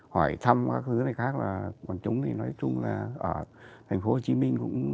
hỏi thăm các thứ này khác là còn chúng thì nói chung là ở thành phố hồ chí minh cũng